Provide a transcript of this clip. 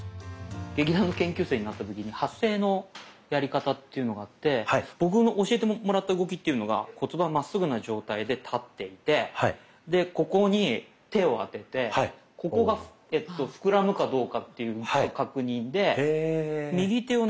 劇団の研修生になった時に発声のやり方っていうのがあって僕の教えてもらった動きというのが骨盤まっすぐな状態で立っていてここに手を当ててここが膨らむかどうかっていう確認で右手をね